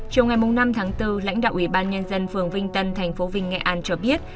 trong ngày năm tháng bốn lãnh đạo ủy ban nhân dân phường vinh tân tp vinh nghệ an cho biết